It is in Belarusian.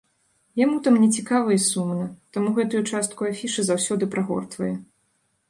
Яму там нецікава і сумна, таму гэтую частку афішы заўсёды прагортвае.